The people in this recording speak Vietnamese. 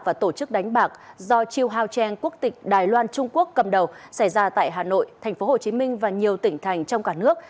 và tổ chức đánh bạc do chiêu hao trang quốc tịch đài loan trung quốc cầm đầu xảy ra tại hà nội tp hcm và nhiều tỉnh thành trong cả nước